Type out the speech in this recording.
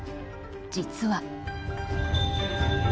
実は。